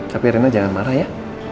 tapi rina jangan marah ya